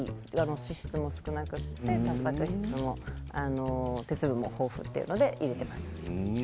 脂質も少なくてたんぱく質も鉄分も豊富というので、入れています。